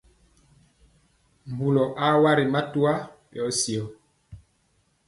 Mbulɔ a wa ri matwa yɔ syɔ.